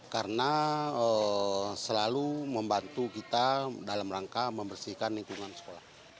karena selalu membantu kita dalam rangka membersihkan lingkungan sekolah